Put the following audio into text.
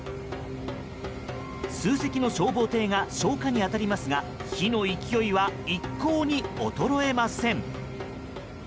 数隻の消防艇が消火に当たりますが火の勢いは一向に衰えません。